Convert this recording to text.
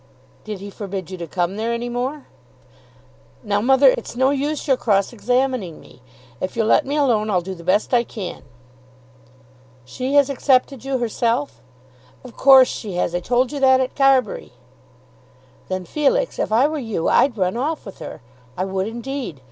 "Did he forbid you to come there any more?" "Now, mother, it's no use your cross examining me. If you'll let me alone I'll do the best I can." "She has accepted you, herself?" "Of course she has. I told you that at Carbury." "Then, Felix, if I were you I'd run off with her. I would indeed.